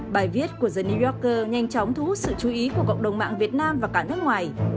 bài viết của then new yorker nhanh chóng thu hút sự chú ý của cộng đồng mạng việt nam và cả nước ngoài